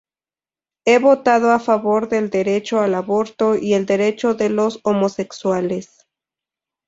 Ha votado a favor del derecho al aborto y el derecho de los homosexuales.